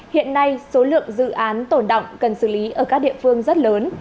hiện nay số lượng dự án tổn động cần xử lý ở các địa phương rất lớn